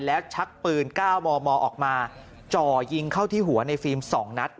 แล้วชักปืน๙มมออกมาจ่อยิงเข้าที่หัวในฟิล์ม๒นัด